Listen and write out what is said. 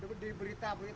pak sudah divaksin belum